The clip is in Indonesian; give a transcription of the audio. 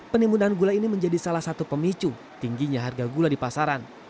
penimbunan gula ini menjadi salah satu pemicu tingginya harga gula di pasaran